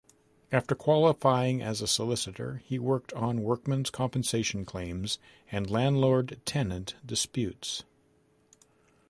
After qualifying as a solicitor he worked on workmen's compensation claims and landlord-tenant disputes.